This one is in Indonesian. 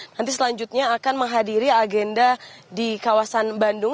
nanti selanjutnya akan menghadiri agenda di kawasan bandung